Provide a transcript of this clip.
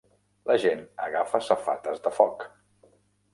La gent agafa safates de foc.